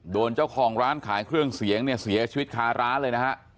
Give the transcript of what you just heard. โดนเจ้าของร้านขายเครื่องเสียงเนี่ยเสียชีวิตคาร้านเลยนะฮะ